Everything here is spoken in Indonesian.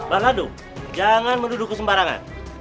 mbak landu jangan menuduh kesembarangan